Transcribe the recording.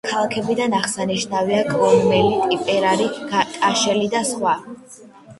ქალაქებიდან აღსანიშნავია კლონმელი, ტიპერარი, კაშელი და სხვა.